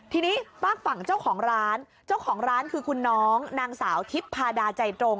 ทีนี้ฝากฝั่งเจ้าของร้านเจ้าของร้านคือคุณน้องนางสาวทิพย์พาดาใจตรง